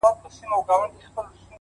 په تورو سترگو کي کمال د زلفو مه راوله”